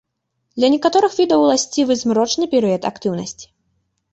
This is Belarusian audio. Для некаторых відаў уласцівы змрочны перыяд актыўнасці.